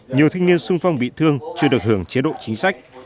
nhiều thanh niên sung phong bị thương chưa được hưởng chế độ chính sách